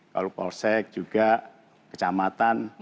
kalau polsek juga kecamatan